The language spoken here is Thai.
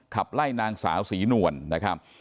ขับไล่นางสาวศรีนวลนะครับ